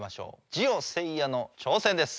ジオせいやの挑戦です。